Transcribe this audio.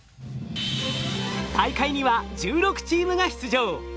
大会には１６チームが出場。